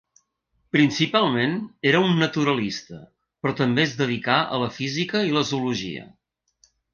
Principalment era un naturalista però també es dedicà a la física i la zoologia.